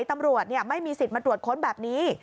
ตำรวจไม่มีสิทธิ์มาตรวจค้นแบบนี้